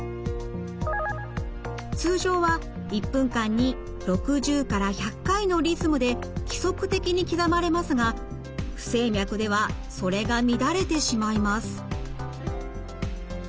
通常は１分間に６０から１００回のリズムで規則的に刻まれますが不整脈ではそれが乱れてしまいます。